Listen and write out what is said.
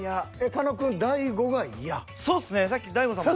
狩野くん大悟が嫌？